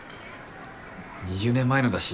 ２０年前のだし